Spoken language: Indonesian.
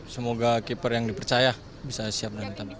semoga keeper yang dipercaya bisa siap